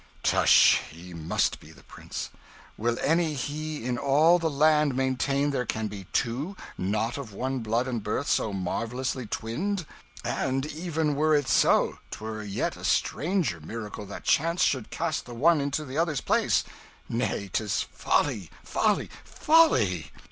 "Tush, he must be the prince! Will any be in all the land maintain there can be two, not of one blood and birth, so marvellously twinned? And even were it so, 'twere yet a stranger miracle that chance should cast the one into the other's place. Nay, 'tis folly, folly, folly!"